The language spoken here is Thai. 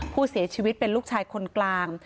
ผู้เสียชีวิตเป็นลูกชายคนกลาง